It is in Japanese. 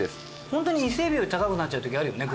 ホントに伊勢海老より高くなっちゃう時あるよね